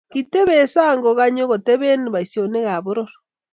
Kitebee sang kukanyu kotobeni boisionikab poror